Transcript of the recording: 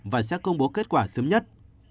và sẽ công bố kết quả sớm nhất